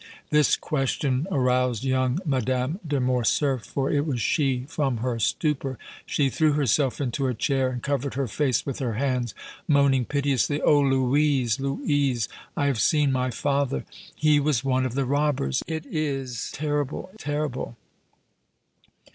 This question aroused young Madame de Morcerf, for it was she, from her stupor. She threw herself into a chair and covered her face with her hands, moaning piteously: "Oh! Louise! Louise! I have seen my father! He was one of the robbers! It is terrible, terrible!"